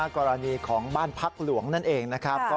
กรณีของบ้านพักหลวงนั่นเองนะครับ